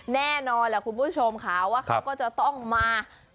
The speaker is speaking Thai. แน่นอนแหละคุณผู้ชมค่ะว่าเขาก็จะต้องมา